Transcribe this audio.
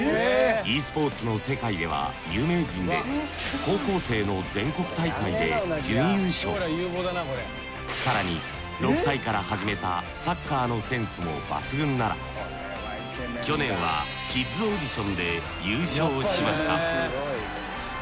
ｅスポーツの世界では有名人で更に６歳から始めたサッカーのセンスも抜群なら去年はキッズオーディションで優勝しました